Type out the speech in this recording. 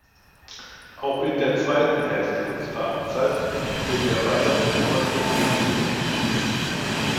Auch in der zweiten Hälfte unserer Amtszeit wird die Erweiterung oberste Priorität genießen.